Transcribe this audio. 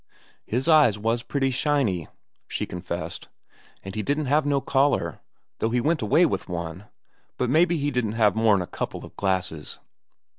"His eyes was pretty shiny," she confessed; "and he didn't have no collar, though he went away with one. But mebbe he didn't have more'n a couple of glasses."